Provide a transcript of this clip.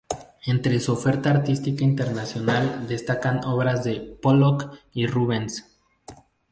Entre su oferta artística internacional destacan obras de Pollock y Rubens.